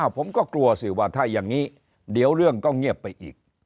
ผมก็กลัวสิว่าถ้าอย่างนี้เดี๋ยวเรื่องก็เงียบไปอีก